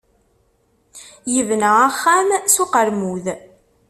Yebna axxam s uqeṛmud.